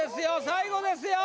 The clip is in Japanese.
最後ですよ